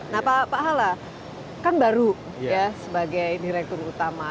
nah pak hala kan baru ya sebagai direktur utama